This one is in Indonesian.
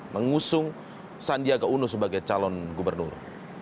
mengusung sandiaga uno sebagai calon gubernur